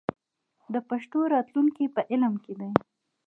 د پښتو راتلونکی په علم کې دی.